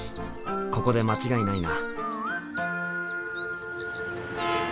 ここで間違いないな。